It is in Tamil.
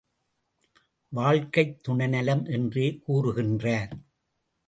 வாழ்க்கைத் துணைநலம் என்றே கூறுகின்றார்.